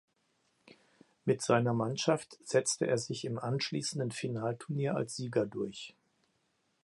Mit seiner Mannschaft setzte er sich im anschließenden Finalturnier als Sieger durch.